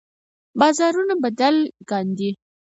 باورونه بدل کاندي.